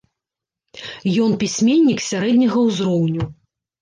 Ён пісьменнік сярэдняга ўзроўню.